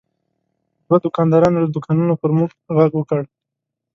دوه دوکاندارانو له دوکانونو پر موږ غږ وکړ.